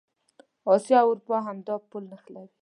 اسیا او اروپا همدا پل نښلوي.